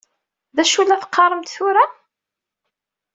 D acu i la teqqaṛem tura?